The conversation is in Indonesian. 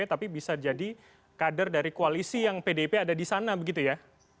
tapi bisa jadi kader dari koalisi yang pdp ada di sana begitu ya